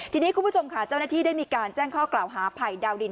ทีนี้คุณผู้ชมค่ะเจ้าหน้าที่ได้มีการแจ้งข้อกล่าวหาไผ่ดาวดิน